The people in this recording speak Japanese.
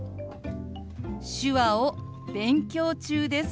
「手話を勉強中です」。